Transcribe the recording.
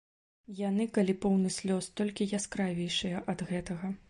Яны, калі поўны слёз, толькі яскравейшыя ад гэтага.